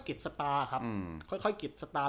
สตาร์ครับค่อยเก็บสตาร์